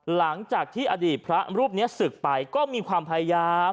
หลังจากที่อดีตพระรูปนี้ศึกไปก็มีความพยายาม